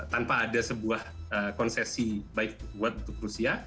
tanpa ada sebuah konsesi baik buat untuk rusia